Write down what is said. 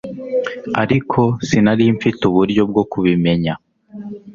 Ariko sinari mfite uburyo bwo kubimenya